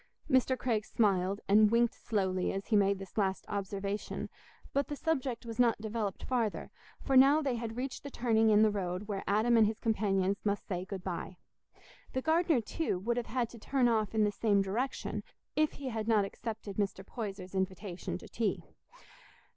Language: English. Mr. Craig smiled and winked slowly as he made this last observation, but the subject was not developed farther, for now they had reached the turning in the road where Adam and his companions must say "good bye." The gardener, too, would have had to turn off in the same direction if he had not accepted Mr. Poyser's invitation to tea.